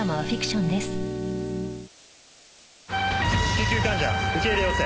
救急患者受け入れ要請。